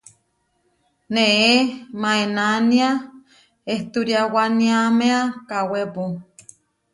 Neé maénania ehturiáwaníamea kawépu.